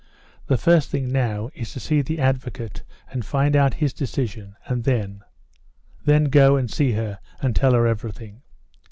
"The first thing now is to see the advocate and find out his decision, and then ... then go and see her and tell her everything."